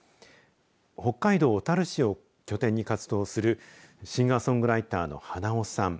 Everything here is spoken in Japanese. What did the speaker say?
北海道小樽市を拠点に活動するシンガーソングライターの花男さん。